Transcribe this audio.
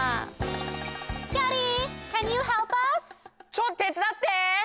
・ちょっと手つだって！